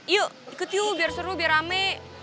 yuk ikut yuk biar seru biar rame